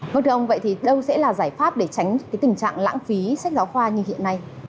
vâng thưa ông vậy thì đâu sẽ là giải pháp để tránh tình trạng lãng phí sách giáo khoa như hiện nay